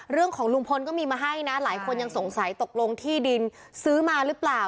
ลุงพลก็มีมาให้นะหลายคนยังสงสัยตกลงที่ดินซื้อมาหรือเปล่า